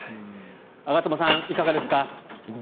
我妻さん、いかがですか？